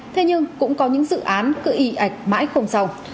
thế nhưng cũng có những dự án cự y ảnh mãi không xong